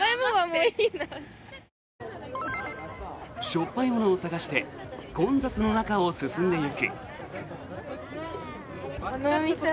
しょっぱいものを探して混雑の中を進んでいく。